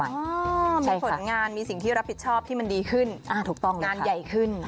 มีผลงานมีสิ่งที่รับผิดชอบที่มันดีขึ้นงานใหญ่ขึ้น